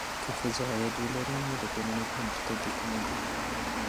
که ښځه عاید ولري، نو د کورنۍ پرمختګ یقیني دی.